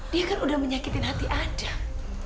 dia kan udah menyakitin hati ajam